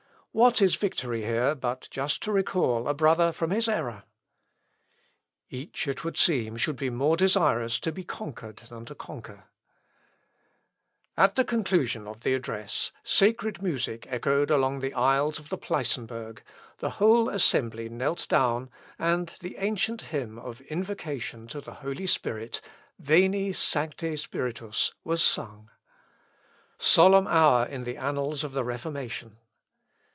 What is victory here but just to recall a brother from his error?... Each, it would seem, should be more desirous to be conquered than to conquer." Seckend., p. 209. [Sidenote: PORTRAITS OF LUTHER, CARLSTADT, ECK.] At the conclusion of the address, sacred music echoed along the aisles of the Pleissenberg, the whole assembly knelt down, and the ancient hymn of invocation to the Holy Spirit, "Veni, Sancte Spiritus," was sung. Solemn hour in the annals of the Reformation!